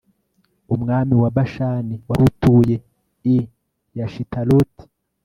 umwami wa bashani, wari utuye i ashitaroti